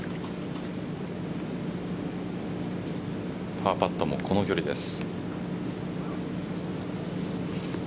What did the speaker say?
パーパットもこの距離です。